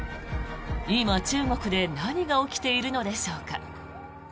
今、中国で何が起きているのでしょうか。